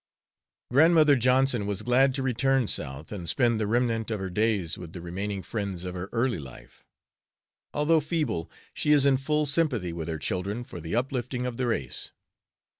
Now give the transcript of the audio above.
Grandmother Johnson was glad to return South and spend the remnant of her days with the remaining friends of her early life. Although feeble, she is in full sympathy with her children for the uplifting of the race.